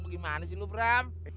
bagaimana sih lu bram